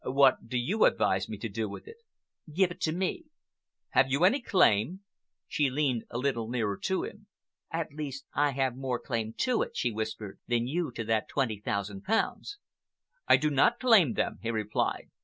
"What do you advise me to do with it?" "Give it to me." "Have you any claim?" She leaned a little nearer to him. "At least I have more claim to it," she whispered, "than you to that twenty thousand pounds." "I do not claim them," he replied.